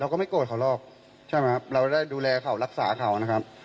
ก็ไม่โกรธเขาหรอกใช่ไหมครับเราได้ดูแลเขารักษาเขานะครับ